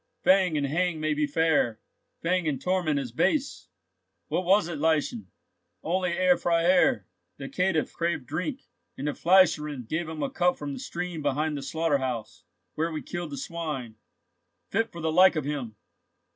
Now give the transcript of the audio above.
Fang and hang may be fair; fang and torment is base! What was it, Lieschen?" "Only, Herr Freiherr, the caitiff craved drink, and the fleischerinn gave him a cup from the stream behind the slaughter house, where we killed the swine. Fit for the like of him!"